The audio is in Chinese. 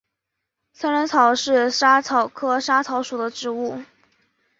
三轮草是莎草科莎草属的植物。